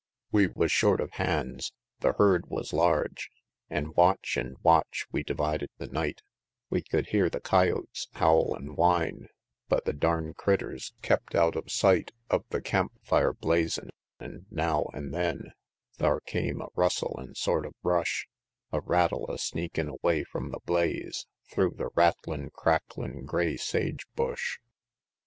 III. We was short of hands, the herd was large, An' watch an' watch we divided the night; We could hear the coyotes howl an' whine, But the darn'd critters kept out of sight Of the camp fire blazin'; an' now an' then Thar come a rustle an' sort of rush, A rattle a sneakin' away from the blaze, Thro' the rattlin', cracklin' grey sage bush.